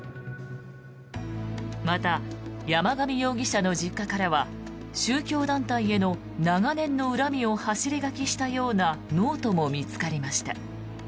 また、山上容疑者の実家からは宗教団体への長年の恨みを走り書きしたようなノートも見つかりました。